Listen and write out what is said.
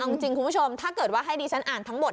เอาจริงคุณผู้ชมถ้าเกิดว่าให้ดิฉันอ่านทั้งหมด